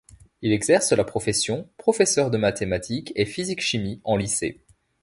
Il exerce la profession professeur de mathématiques et physique-chimie en lycée.